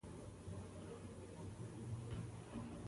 دا اوږده سابقه لري.